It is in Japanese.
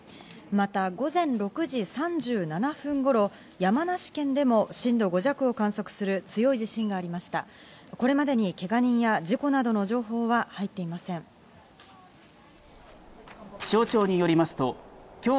また午前６時３７分頃、山梨県でも震度５弱を観測する強い地震がありました。